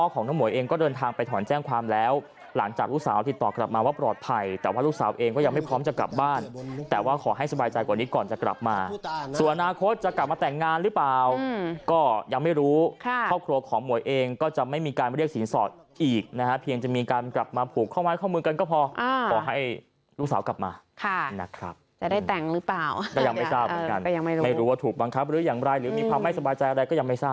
อคุณแจ้งความแล้วหลังจากลูกสาวติดต่อกลับมาว่าปลอดภัยแต่ว่าลูกสาวเองก็ยังไม่พร้อมจะกลับบ้านแต่ว่าขอให้สบายใจกว่านี้ก่อนจะกลับมาส่วนอนาคตจะกลับมาแต่งงานหรือเปล่าก็ยังไม่รู้คร่าบครัวของหมวยเองก็จะไม่มีการเรียกสินสอบอีกนะเพียงจะมีการกลับมาผูกข้อม้ายข้อมือกันก็พอขอให้